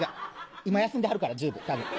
今休んではるからＴＵＢＥ多分。